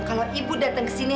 kalau ibu datang kesini